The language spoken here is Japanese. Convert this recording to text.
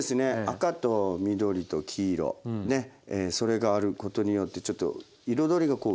赤と緑と黄色ねそれがあることによってちょっと彩りが美しくなるというかはい。